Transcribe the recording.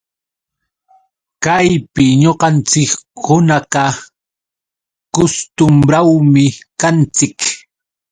Kaypi ñuqanchikkunaqa kustumbrawmi kanchik